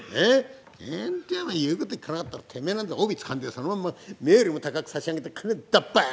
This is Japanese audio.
ほんとに言うこと聞かなかったらてめえなんぞ帯つかんでそのまんま目よりも高く差し上げてドッポン！